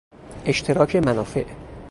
اشتراک منافع